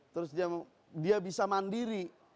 terus dia bisa mandiri